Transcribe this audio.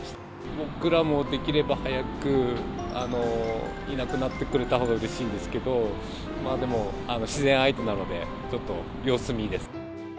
僕らもできれば早くいなくなってくれたほうがうれしいんですけど、でも自然相手なので、ちょっと様子見です。